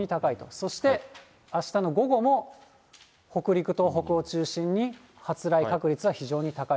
そして、あしたの午後も、北陸、東北を中心に、発雷確率は非常に高い。